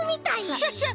クシャシャ！